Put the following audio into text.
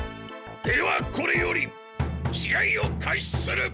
ではこれより試合を開始する！